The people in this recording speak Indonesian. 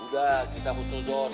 sudah kita musnudon